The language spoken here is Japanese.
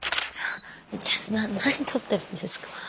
ちょ何撮ってるんですか。